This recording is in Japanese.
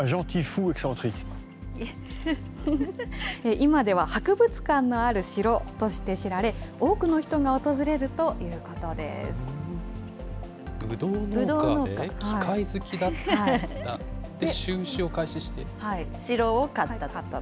今では博物館のある城として知られ、多くの人が訪れるというブドウ農家で、機械好きだった、城を買ったと。